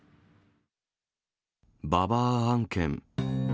ババア案件。